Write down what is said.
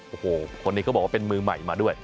โอ้โหคนนี้เขาบอกว่าเป็นมือใหม่มาด้วย